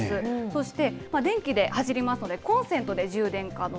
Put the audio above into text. そして電気で走りますので、コンセントで充電可能。